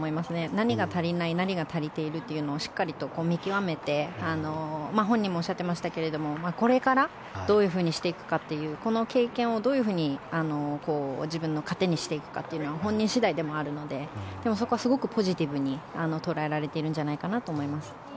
何が足りない何が足りているというのをしっかりと見極めて本人もおっしゃっていましたがこれからどうしていくというこの経験をどういうふうに自分の糧にしていくかは本人次第でもあるのででも、そこはすごくポジティブに捉えられているんじゃないかなと思います。